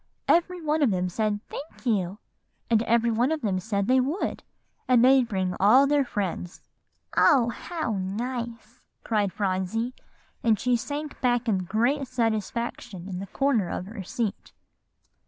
"Every one of them said 'Thank you;' and every one of them said they would, and they'd bring all their friends." "Oh, how nice!" cried Phronsie; and she sank back in great satisfaction in the corner of her seat.